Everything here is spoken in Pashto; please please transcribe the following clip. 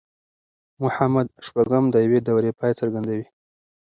محمد شپږم د يوې دورې پای څرګندوي.